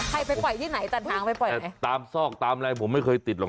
ไปปล่อยที่ไหนตัดทางไปปล่อยตามซอกตามอะไรผมไม่เคยติดหรอก